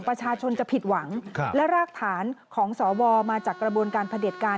ประชาชนจะผิดหวังและรากฐานของสวมาจากกระบวนการผลิตการ